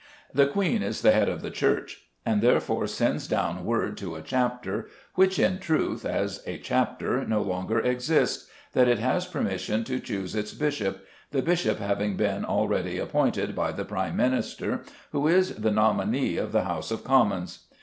The Queen is the head of the Church, and therefore sends down word to a chapter, which in truth as a chapter no longer exists, that it has permission to choose its bishop, the bishop having been already appointed by the Prime Minister, who is the nominee of the House of Commons!